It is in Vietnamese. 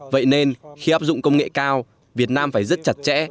vậy nên khi áp dụng công nghệ cao việt nam phải rất chặt chẽ